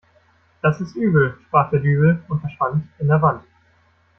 Das ist übel sprach der Dübel und verschwand in der Wand.